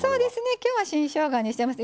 今日は新しょうがにしてます。